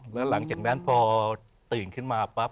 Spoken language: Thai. แล้วหลังจากนั้นพอตื่นขึ้นมาปั๊บ